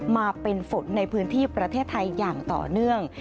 มาเป็นฝนในพื้นที่ประเทศไทยอย่างต่อเนื่อง